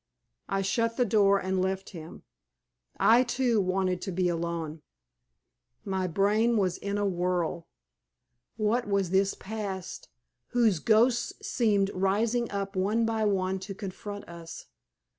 I shut the door and left him. I, too, wanted to be alone. My brain was in a whirl. What was this past whose ghosts seemed rising up one by one to confront us?